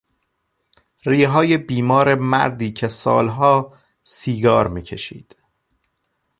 ریههای بیمار مردی که سالها سیگار میکشید